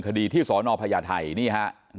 ตลอดทั้งคืนตลอดทั้งคืน